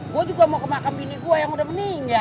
gue juga mau ke makam ini gue yang udah meninggal